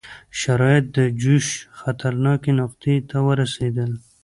شرایط د جوش خطرناکې نقطې ته ورسېدل.